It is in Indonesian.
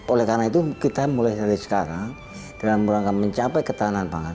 oleh karena itu kita mulai dari sekarang dalam rangka mencapai ketahanan pangan